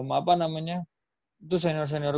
apa namanya itu senior senior